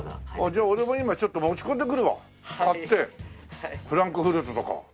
じゃあ俺も今ちょっと持ち込んでくるわ買ってフランクフルトとか。